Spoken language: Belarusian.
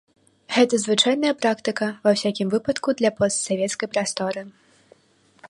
Гэта звычайная практыка, ва ўсякім выпадку для постсавецкай прасторы.